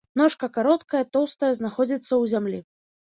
Ножка кароткая, тоўстая, знаходзіцца ў зямлі.